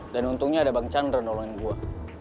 dan untungnya ada bang chandra nolongin gue